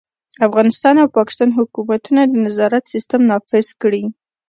افغانستان او پاکستان حکومتونه د نظارت سیستم نافذ کړي.